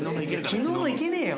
昨日のいけねぇよ。